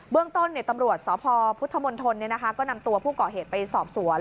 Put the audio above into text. เรื่องต้นตำรวจสพพุทธมณฑลก็นำตัวผู้ก่อเหตุไปสอบสวน